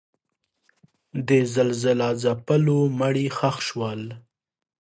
د زلزله ځپلو مړي ښخ شول.